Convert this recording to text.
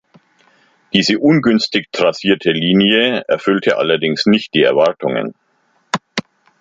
Diese ungünstig trassierte Linie erfüllte allerdings nicht die Erwartungen.